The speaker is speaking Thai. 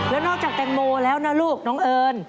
แล้วนอกจากแตงโมแล้วนะลูกน้องเอิญ